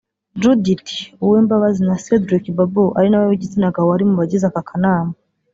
Judith Owembabazi na Cedric Babu ari nawe w’igitsina gabo wari mu bagize aka kanama